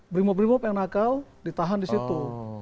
brimop brimop yang nakal ditahan di situ